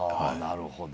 なるほど。